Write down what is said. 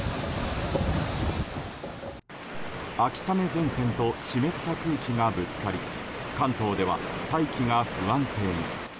秋雨前線と湿った空気がぶつかり関東では、大気が不安定に。